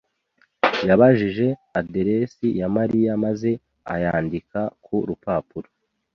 yabajije aderesi ya Mariya maze ayandika ku rupapuro.